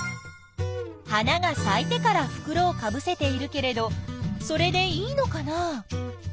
花がさいてからふくろをかぶせているけれどそれでいいのかな？